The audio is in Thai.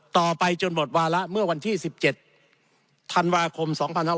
ต่อไปจนหมดวาระเมื่อวันที่๑๗ธันวาคม๒๕๖๒